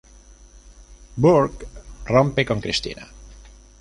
Burke rompe con Cristina.